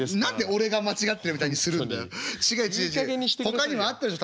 ほかにもあったでしょ